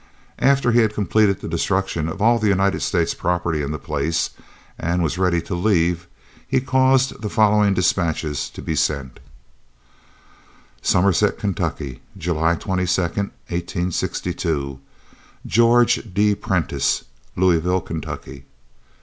After he had completed the destruction of all the United States property in the place, and was ready to leave, he caused the following dispatches to be sent: Somerset, Ky., July 22, 1862. GEORGE D. PRENTICE, Louisville, Ky.